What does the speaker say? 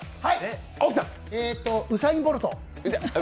ウサイン・ボルト？